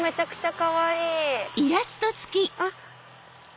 かわいい！